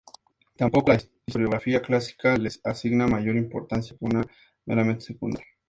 Tampoco la historiografía clásica le asigna mayor importancia que una meramente secundaria.